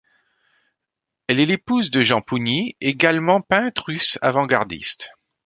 Elle est l'épouse de Jean Pougny, également peintre russe avant-gardiste.